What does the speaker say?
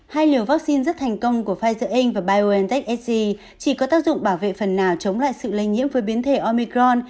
hai liều vaccine rất thành công của pfizer in và biontech sg chỉ có tác dụng bảo vệ phần nào chống lại sự lây nhiễm với biến thể omicron